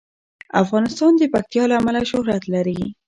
افغانستان د پکتیا له امله شهرت لري.